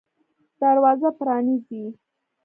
دروازه پرانیزئ